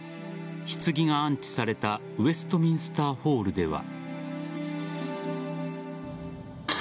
棺が安置されたウェストミンスターホールでは。